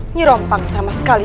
nyerompang sama sekali